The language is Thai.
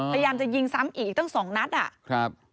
พยายามจะยิงซ้ำอีก๒นัดอ่ะ